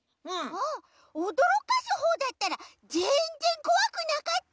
あっおどろかすほうだったらぜんぜんこわくなかった！